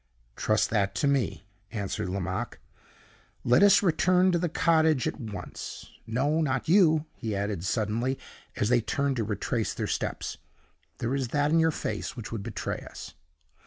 "Trust that to me," answered Lomaque. "Let us return to the cottage at once. No, not you," he added, suddenly, as they turned to retrace their steps. "There is that in your face which would betray us.